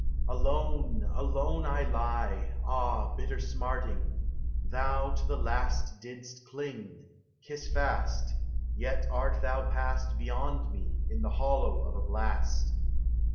Alone, alone I lie, ah, bitter smarting! Thou to the last Didst cling, kiss fast, Yet art thou past Beyond me, in the hollow of a blast.